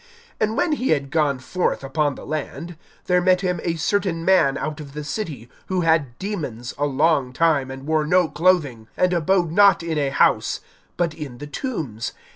(27)And when he had gone forth upon the land, there met him a certain man out of the city, who had demons a long time, and wore no clothing, and abode not in a house, but in the tombs.